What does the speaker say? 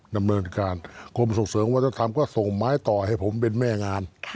ดำเนินการกรมส่งเสริมวัฒนธรรมก็ส่งไม้ต่อให้ผมเป็นแม่งาน